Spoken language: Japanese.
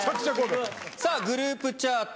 さぁ「グループチャート」